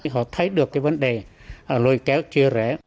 họ thấy được cái vấn đề lôi kéo chưa rẻ